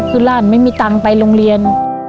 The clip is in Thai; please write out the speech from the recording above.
พื้นร่านไม่มีเงิงไปโรงเรียน